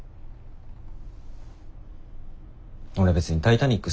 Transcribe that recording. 俺別に「タイタニック」